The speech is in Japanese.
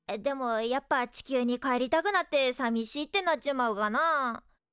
でもやっぱ地球に帰りたくなってさみしいってなっちまうかな？